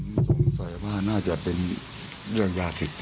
ผมสงสัยว่าน่าจะเป็นเรื่องยาเสพติด